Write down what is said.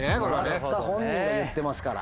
もらった本人が言ってますから。